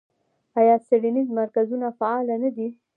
آیا څیړنیز مرکزونه فعال نه دي؟